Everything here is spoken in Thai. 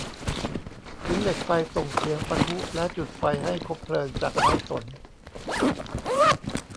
หินเหล็กไฟส่งเสียงปะทุและจุดไฟให้คบเพลิงจากไม้สน